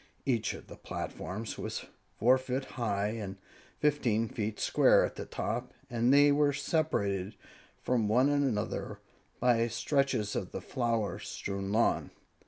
Each of the platforms was four feet high and fifteen feet square on the top, and they were separated from one another by stretches of the flower strewn lawn.